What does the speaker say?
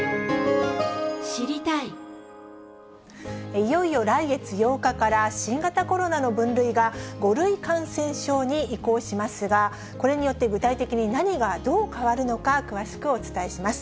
いよいよ来月８日から、新型コロナの分類が５類感染症に移行しますが、これによって具体的に何がどう変わるのか、詳しくお伝えします。